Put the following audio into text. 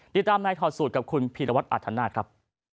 ติดตามนายถอดสูตรกับคุณพีรวัตรอธนาคครับ